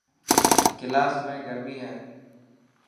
ڪلاس ۾ گرمي هي.